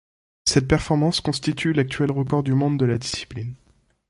Cette performance constitue l'actuel record du monde de la discipline.